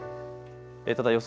ただ予想